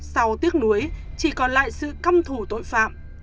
sau tiếc nuối chỉ còn lại sự căm thù tội phạm